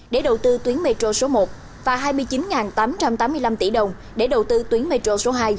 để đầu tư tuyến metro số một và hai mươi chín tám trăm tám mươi năm tỷ đồng để đầu tư tuyến metro số hai